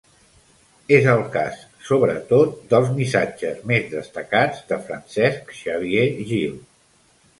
És el cas, sobretot, dels missatges més destacats de Francesc-Xavier Gil.